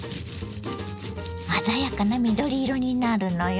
鮮やかな緑色になるのよ。